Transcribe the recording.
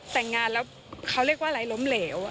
แต่งงานแล้วเขาเรียกว่าอะไรล้มเหลว